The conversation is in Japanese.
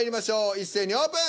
一斉にオープン。